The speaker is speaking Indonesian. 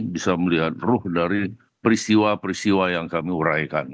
bisa melihat ruh dari peristiwa peristiwa yang kami uraikan